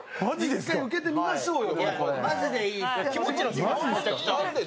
実際受けてみましょうよ。